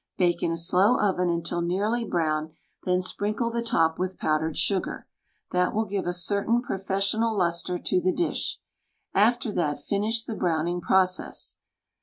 Bake in a slow oven until nearly brown — then sprinkle the top with powdered sugar, that will give a certain professional luster to the dish. After that finish the browning process.